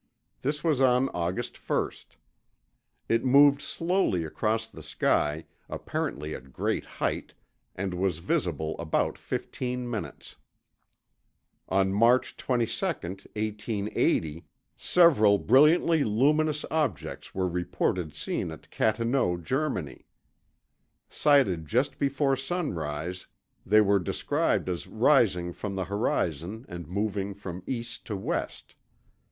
This was on August 1. It moved slowly across the sky, apparently at great height, and was visible about fifteen minutes. On March 22, 1880, several brilliantly luminous objects were reported seen at Kattenau, Germany. Sighted just before sunrise, they were described as rising from the horizon and moving from east to west.